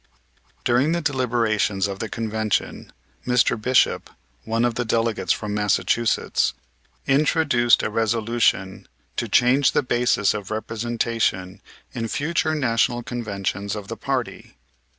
During the deliberations of the Convention Mr. Bishop, one of the delegates from Massachusetts, introduced a resolution to change the basis of representation in future National Conventions of the party.